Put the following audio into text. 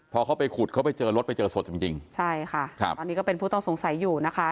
พอเขาไปขุดเขาไปเจอรถไปเจอศพจริงจริงใช่ค่ะครับตอนนี้ก็เป็นผู้ต้องสงสัยอยู่นะคะ